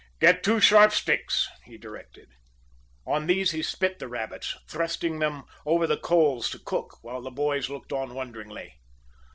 "Get two sharp sticks," he directed. On these he spit the rabbits, thrusting them over the coals to cook, while the boys looked on wonderingly.